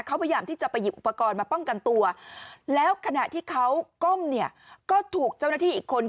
เขาพยายามที่จะไปหยิบอุปกรณ์มาป้องกันตัวแล้วขณะที่เขาก้มเนี่ยก็ถูกเจ้าหน้าที่อีกคน